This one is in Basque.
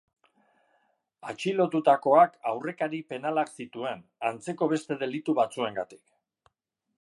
Atxilotutakoak aurrekari penalak zituen, antzeko beste delitu batzuengatik.